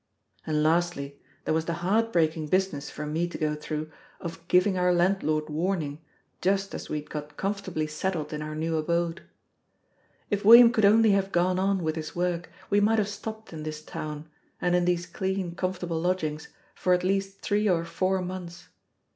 And, lastly, there was the heart breaking business for me to go through of giving our landlord warning, just as we had got comfortably settled in our new abode. If William could only have gone on with his work, we might have stopped in this town, and in these clean, comfortable lodgings for at least three or four months.